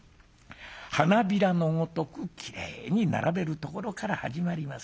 花びらのごとくきれいに並べるところから始まりますよ。